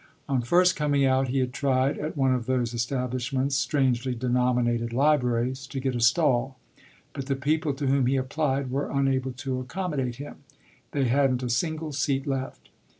On first coming out he had tried, at one of those establishments strangely denominated "libraries," to get a stall, but the people to whom he applied were unable to accommodate him they hadn't a single seat left.